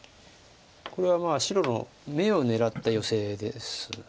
これは白の眼を狙ったヨセです。